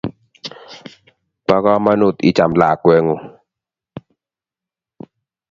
Po kamanut icham lakweng'ung'